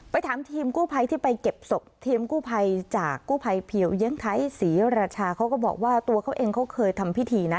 ถามทีมกู้ภัยที่ไปเก็บศพทีมกู้ภัยจากกู้ภัยเพียวเยี่ยงไทยศรีราชาเขาก็บอกว่าตัวเขาเองเขาเคยทำพิธีนะ